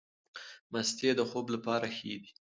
مستې د خوب لپاره ښې دي.